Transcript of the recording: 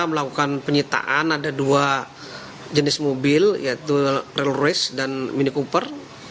melakukan penyitaan ada dua jenis mobil yaitu rail royce dan minikuper